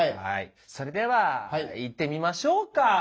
それではいってみましょうか。